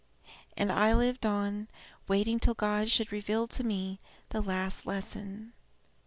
And I lived on, waiting till God should reveal to me the last lesson.